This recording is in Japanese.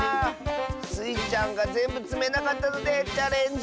スイちゃんがぜんぶつめなかったのでチャレンジ